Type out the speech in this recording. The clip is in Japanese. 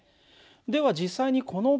では実際にこのυ−